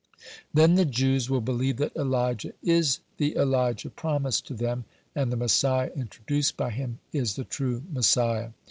Then the Jews will believe that Elijah is the Elijah promised to them, and the Messiah introduced by him is the true Messiah.